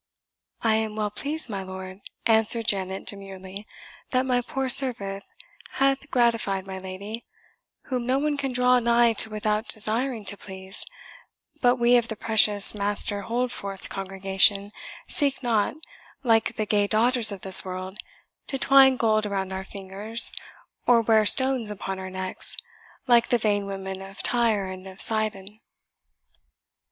"I am well pleased, my lord," answered Janet demurely, "that my poor service hath gratified my lady, whom no one can draw nigh to without desiring to please; but we of the precious Master Holdforth's congregation seek not, like the gay daughters of this world, to twine gold around our fingers, or wear stones upon our necks, like the vain women of Tyre and of Sidon."